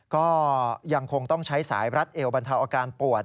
ก็ยังคงต้องใช้สายรัดเอวบรรเทาอาการปวด